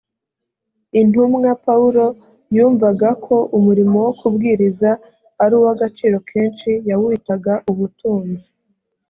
intumwa pawulo yumvaga ko umurimo wo kubwiriza ari uw agaciro kenshi yawitaga ubutunzi